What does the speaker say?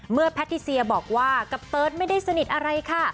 แพทิเซียบอกว่ากับเติร์ดไม่ได้สนิทอะไรค่ะ